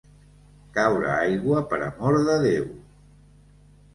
Caure aigua per amor de Déu.